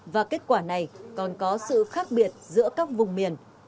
và kết quả này còn có sự khác biệt giữa các vùng miền